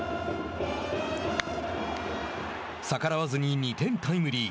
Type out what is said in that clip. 逆らわずに２点タイムリー。